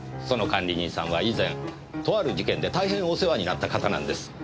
その管理人さんは以前とある事件で大変お世話になった方なんです。